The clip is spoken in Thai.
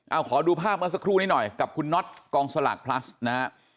เอาขอดูภาพเมื่อสักครู่นี้หน่อยกับคุณน็อตกองสลากพลัสนะฮะ